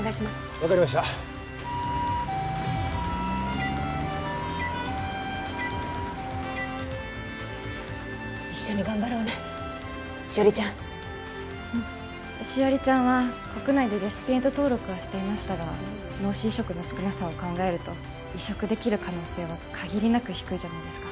分かりました一緒に頑張ろうね汐里ちゃんうん汐里ちゃんは国内でレシピエント登録はしていましたが脳死移植の少なさを考えると移植できる可能性は限りなく低いじゃないですか